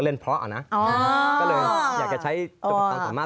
สนุนโดยอีซุสุข